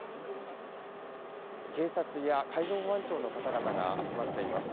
警察や海上保安庁の方々が集まっています。